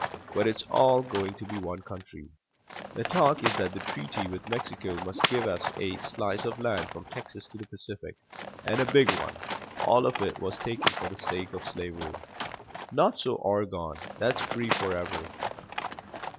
But it's all going to be one country. The talk is that the treaty with Mexico must give us a slice of land from Texas to the Pacific, and a big one; all of it was taken for the sake of slavery. Not so Oregon that's free forever.